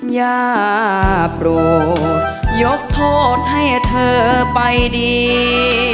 อย่าโปรดยกโทษให้เธอไปดี